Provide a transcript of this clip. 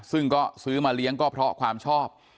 ซึ่งก็ซื้อมาเลี้ยงก็เพราะความชอบ